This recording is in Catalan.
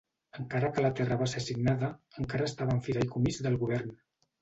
Encara que la terra va ser assignada, encara estava en fideïcomís del govern.